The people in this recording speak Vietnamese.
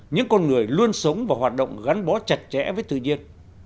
những con người luôn sống và hoạt động gắn bó chặt chẽ với tự nhiên